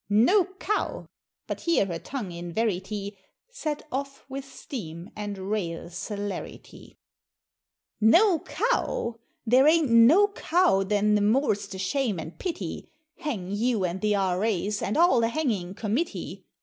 "No Cow!" but here her tongue in verity, Set off with steam and rail celerity "No Cow! there ain't no Cow, then the more's the shame and pity, Hang you, and the R.A.'s, and all the Hanging Committee!